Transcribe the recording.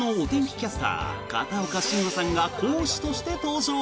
キャスター片岡信和さんが講師として登場。